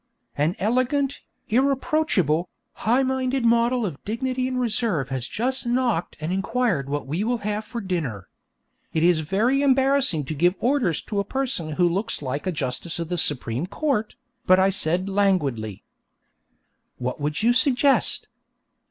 An elegant, irreproachable, high minded model of dignity and reserve has just knocked and inquired what we will have for dinner. It is very embarrassing to give orders to a person who looks like a Justice of the Supreme Court, but I said languidly: 'What would you suggest?'